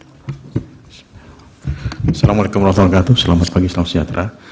assalamu alaikum warahmatullahi wabarakatuh selamat pagi selamat sejahtera